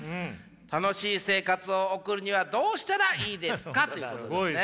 楽しい生活を送るにはどうしたらいいですか？」。ということですね。